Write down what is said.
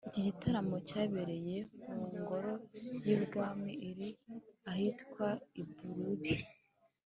Iki gitaramo cyabereye mu ngoro y’i Bwami iri ahitwa i Lubiri